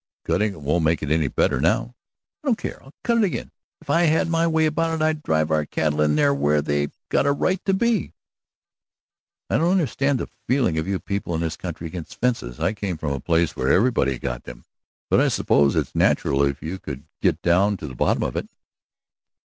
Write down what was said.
"Cutting it won't make it any better now." "I don't care, I'll cut it again! If I had my way about it I'd drive our cattle in here where they've got a right to be." "I don't understand the feeling of you people in this country against fences; I came from a place where everybody's got them. But I suppose it's natural, if you could get down to the bottom of it."